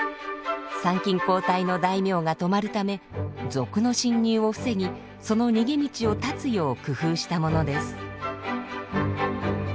参勤交代の大名が泊まるため賊の侵入を防ぎその逃げ道を断つよう工夫したものです。